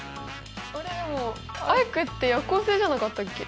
でもアイクって夜行性じゃなかったっけ？